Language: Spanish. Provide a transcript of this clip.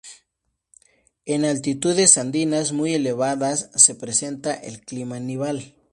En altitudes andinas muy elevadas se presenta el clima nival.